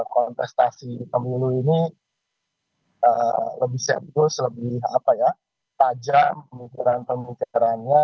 kontestasi pemilu ini lebih serius lebih tajam pemikiran pemikirannya